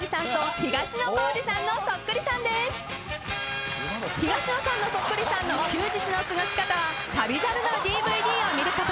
東野さんのそっくりさんの休日の過ごし方は『旅猿』のＤＶＤを見ること。